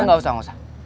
enggak usah enggak usah